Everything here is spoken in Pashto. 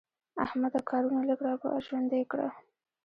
احمده کارونه لږ را ژوندي کړه.